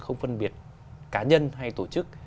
không phân biệt cá nhân hay tổ chức